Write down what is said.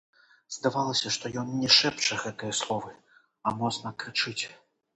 Здавалася, што ён не шэпча гэтыя словы, а моцна крычыць.